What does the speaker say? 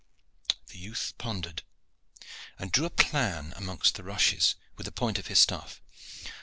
The youth pondered, and drew a plan amongst the rushes with the point of his staff.